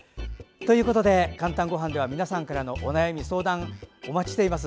「かんたんごはん」では皆さんからのお悩み、相談をお待ちしています。